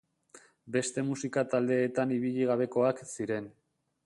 Beste musika taldeetan ibili gabekoak ziren.